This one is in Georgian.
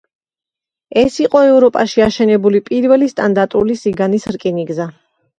ეს იყო ევროპაში აშენებული პირველი სტანდარტული სიგანის რკინიგზა.